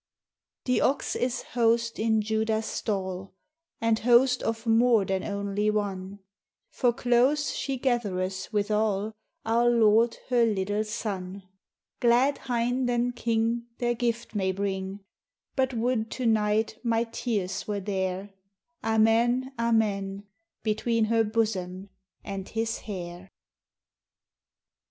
The Ox is host in Juda's stall, And Host of more than onelie one, For close she gathereth withal Our Lorde her littel Sonne. Glad Hinde and King Their Gyfte may bring, But wo'd to night my Teares were there, Amen, Amen: Between her Bosom and His hayre